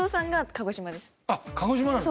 鹿児島の。